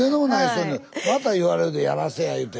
また言われるで「やらせや」いうて。